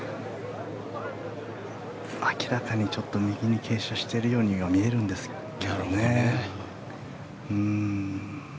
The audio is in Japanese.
明らかに右に傾斜しているように見えるんですけどね。